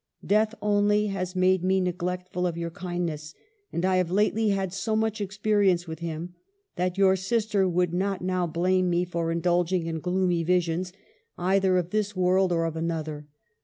Death only has made me neglectful of your kindness, and I have lately had so much experience with him, that your sister would not now blame me for indulging in gloomy visions either of this 136 EMILY BRONTE. world or of another.